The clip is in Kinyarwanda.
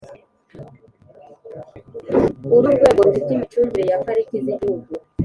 Uru n urwego rufite imicungire ya pariki z igihugu